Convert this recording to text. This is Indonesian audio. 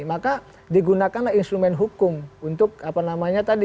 maka digunakanlah instrumen hukum untuk apa namanya tadi